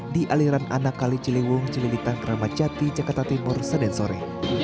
di aliran anakali ciliwung cililitan kramacati jakarta timur seden sore